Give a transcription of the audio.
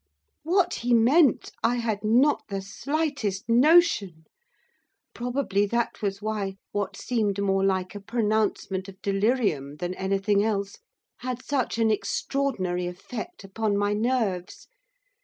What he meant I had not the slightest notion. Probably that was why what seemed more like a pronouncement of delirium than anything else had such an extraordinary effect upon my nerves.